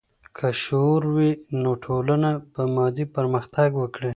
که شعور وي، نو ټولنه به مادي پرمختګ وکړي.